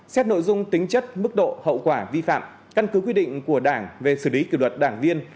xét nội dung tính chất mức độ hậu quả vi phạm căn cứ quy định của đảng về xử lý kỷ luật đảng viên